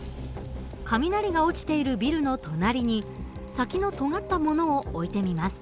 雷が落ちているビルの隣に先のとがったものを置いてみます。